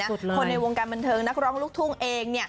คนในวงการบันเทิงนักร้องลูกทุ่งเอง